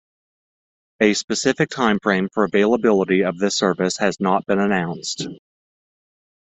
A specific time frame for availability of this service has not been announced.